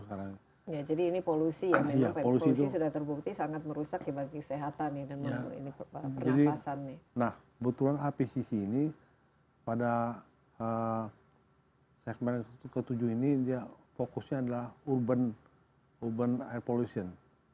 kebetulan api sisi ini pada segmen itu ketujuh ini dia fokusnya adalah urban urban air pollution